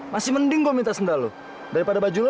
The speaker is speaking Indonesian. masih mending gue minta sendal lu daripada baju lu